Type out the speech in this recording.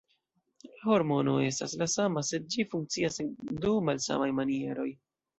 La hormono estas la sama, sed ĝi funkcias en du malsamaj manieroj.